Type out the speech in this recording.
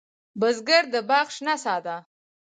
بزګر د باغ شنه سا ده